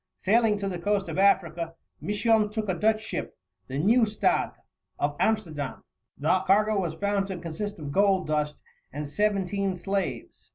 Sailing to the coast of Africa, Misson took a Dutch ship, the Nieuwstadt, of Amsterdam. The cargo was found to consist of gold dust and seventeen slaves.